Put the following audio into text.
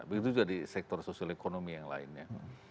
begitu juga di sektor sosial ekonomi yang lainnya